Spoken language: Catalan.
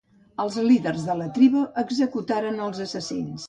Els líders de la tribu executaren als assassins.